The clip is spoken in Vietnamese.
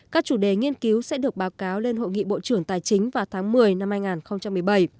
các chủ đề nghiên cứu sẽ được báo cáo lên hội nghị bộ trưởng tài chính vào tháng một mươi năm hai nghìn một mươi bảy